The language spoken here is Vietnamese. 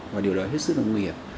và điều đó hết sức là nguy hiểm